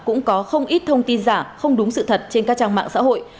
cũng có không ít thông tin giả không đúng sự thật trên các trang mạng xã hội